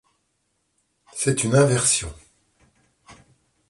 C'est une inversion.